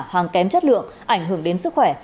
hàng kém chất lượng ảnh hưởng đến sức khỏe